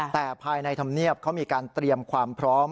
แต่ภายในธรรมเนียบเขามีการเตรียมความพร้อม